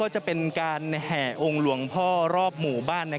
จะเป็นการแห่องค์หลวงพ่อรอบหมู่บ้าน